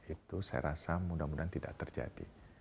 itu saya rasa mudah mudahan tidak terjadi